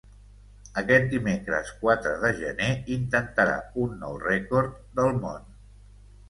Aquest dimecres quatre de gener intentarà un nou rècord del món.